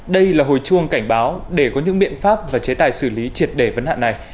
đây là hồi chuông cảnh báo để có những biện pháp và chế tài xử lý triệt đề vấn hạn này